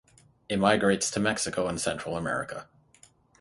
It migrates to Mexico and Central America.